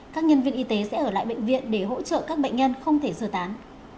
các nhân viên y tế sẽ ở lại bệnh viện để hỗ trợ các bệnh nhân không thể sơ tán